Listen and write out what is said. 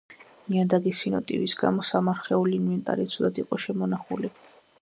ნიადაგის სინოტივის გამო, სამარხეული ინვენტარი ცუდად იყო შემონახული.